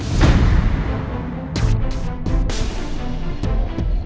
papa ngapain di rumah rizky